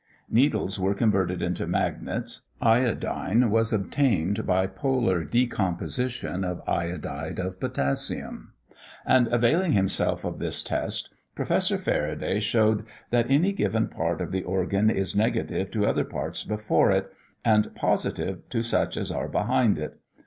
Needles were converted into magnets; iodine was obtained by polar decomposition of iodide of potassium; and availing himself of this test, Professor Faraday showed that any given part of the organ is negative to other parts before it, and positive to such as are behind it.